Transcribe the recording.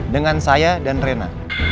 dengan saya dan rena